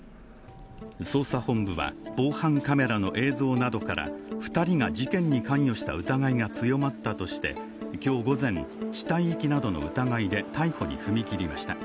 捜査本部は、防犯カメラの映像などから２人が事件に関与した疑いが強まったとして今日午前、死体遺棄などの疑いで逮捕に踏み切りました。